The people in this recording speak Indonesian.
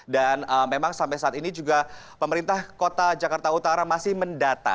dan memang sampai saat ini juga pemerintah kota jakarta utara masih mendata